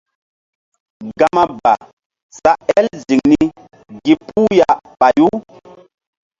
Gama ba sa el ziŋ ni gi puh ya ɓayu.